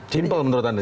simple menurut anda